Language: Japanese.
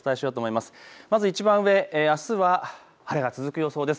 まずいちばん上、あすは晴れが続く予想です。